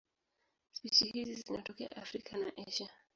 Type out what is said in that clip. Spishi hizi zinatokea Afrika na Asia.